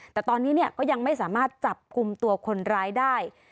แต่ตอนนี้ก็ยังไม่สามารถจับกลุ่มตัวคนร้ายได้